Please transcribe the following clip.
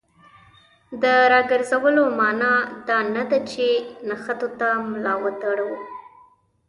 د راګرځولو معنا دا نه ده چې نښتو ته ملا وتړو.